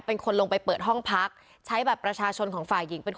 เป็นคนลงไปเปิดห้องพักใช้แบบประชาชนของฝ่ายหญิง